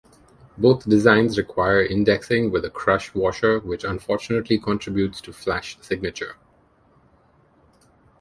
Both designs require indexing with a crush washer which unfortunately contributes to flash signature.